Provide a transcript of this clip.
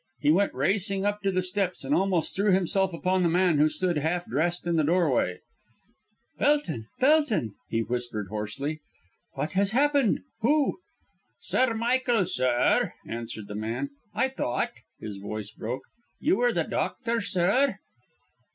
He went racing up to the steps and almost threw himself upon the man who stood half dressed in the doorway. "Felton, Felton!" he whispered hoarsely. "What has happened? Who " "Sir Michael, sir," answered the man. "I thought" his voice broke "you were the doctor, sir?"